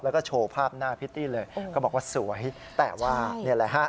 แล้วก็โชว์ภาพหน้าพิตตี้เลยก็บอกว่าสวยแต่ว่านี่แหละฮะ